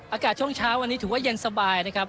อากาศช่วงเช้าวันนี้ถือว่าเย็นสบายนะครับ